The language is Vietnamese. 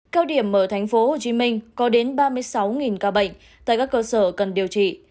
cao điểm ở tp hcm có đến ba mươi sáu ca bệnh tại các cơ sở cần điều trị